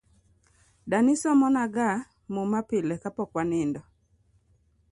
Dani somona ga muma pile kapok wanindo